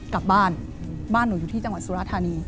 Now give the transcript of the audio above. กลับบ้านบ้านหนูอยู่ที่จังหวัดสุราธานี